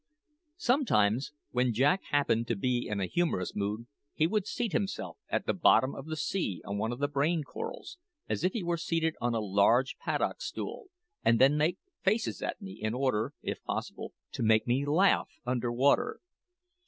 Sometimes, when Jack happened to be in a humorous frame, he would seat himself at the bottom of the sea on one of the brain corals, as if he were seated on a large paddock stool, and then make faces at me in order, if possible, to make me laugh under water.